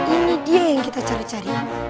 ini dia yang kita cari cari